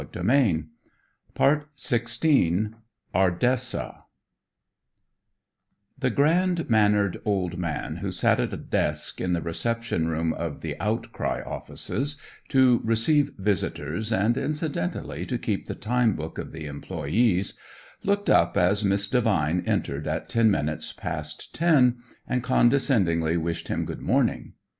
Century, May 1916 Ardessa The grand mannered old man who sat at a desk in the reception room of "The Outcry" offices to receive visitors and incidentally to keep the time book of the employees, looked up as Miss Devine entered at ten minutes past ten and condescendingly wished him good morning.